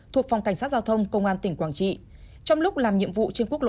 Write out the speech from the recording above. thuộc phòng cảnh sát giao thông công an tỉnh quảng trị trong lúc làm nhiệm vụ trên quốc lộ một